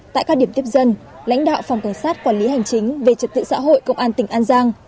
tại các điểm tiếp dân lãnh đạo phòng cảnh sát quản lý hành chính về trật tự xã hội công an tỉnh an giang